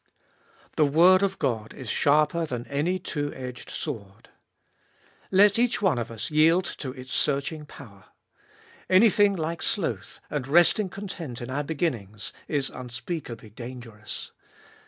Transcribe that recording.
The word of God is sharper than any two edged sword. Let each one of us yield to its searching power. Anything like sloth, and resting content in our beginnings, is unspeakably dangerous.